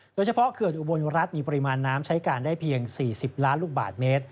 เขื่อนอุบลรัฐมีปริมาณน้ำใช้การได้เพียง๔๐ล้านลูกบาทเมตร